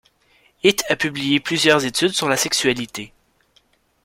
Hite a publié plusieurs études sur la sexualité.